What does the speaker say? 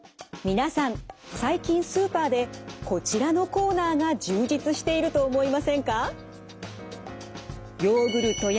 皆さん最近スーパーでこちらのコーナーが充実していると思いませんか？